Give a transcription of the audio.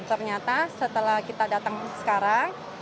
ternyata setelah kita datang sekarang